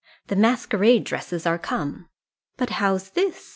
The masquerade dresses are come. But how's this?"